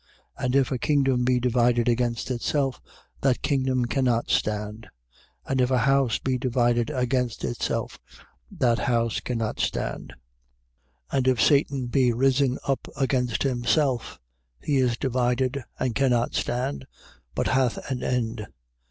3:24. And if a kingdom be divided against itself, that kingdom cannot stand. 3:25. And if a house be divided against itself, that house cannot stand. 3:26. And if Satan be risen up against himself, he is divided, and cannot stand, but hath an end.